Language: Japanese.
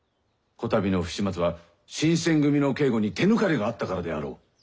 こたびの不始末は新選組の警固に手抜かりがあったからであろう。